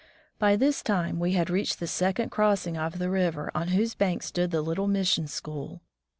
By this time we had reached the second crossing of the river, on whose bank stood the little mission school.